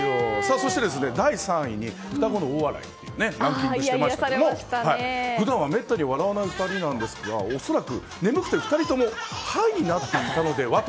そして第３位に双子の大笑いがランキングしていましたが普段はめったに笑わない２人なんですが恐らく、眠くて２人ともハイになっていたのではと。